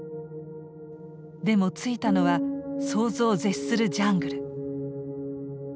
でも着いたのは想像を絶するジャングル。